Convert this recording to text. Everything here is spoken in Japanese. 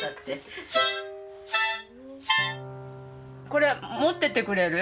これ持っててくれる？